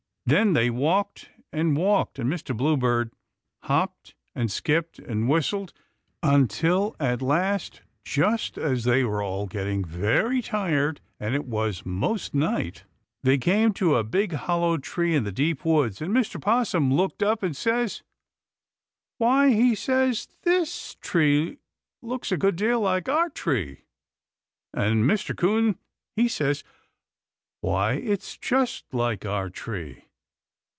Then they walked and walked, and Mr. Bluebird hopped and skipped and whistled, until at last, just as they were all getting very tired and it was most night, they came to a big hollow tree in a deep woods; and Mr. 'Possum looked up and says, "Why," he says, "this tree looks a good deal like our tree!" And Mr. 'Coon he says, "Why, it's just like our tree!"